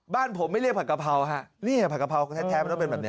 บ้านผมไม่เรียกผัดกะเพราฮะนี่ผัดกะเพราแท้มันต้องเป็นแบบนี้